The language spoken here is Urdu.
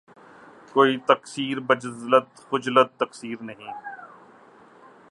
کوئی تقصیر بجُز خجلتِ تقصیر نہیں